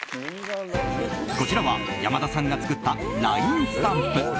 こちらは山田さんが作ったＬＩＮＥスタンプ。